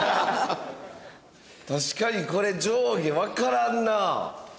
確かにこれ上下わからんな。